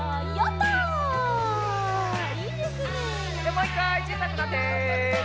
もう１かいちいさくなって。